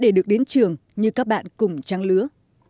để được đến trường như các bạn cùng trang lứa